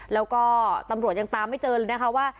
แล้วก็ตำรวจยังตามไม่เจอเลยนะคะว่า